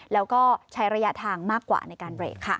แล้วก็ใช้ระยะทางมากกว่าในการเบรกค่ะ